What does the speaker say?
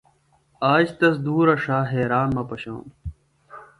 آج تسے دُھورہ ݜا حیران مہ پشانوۡ۔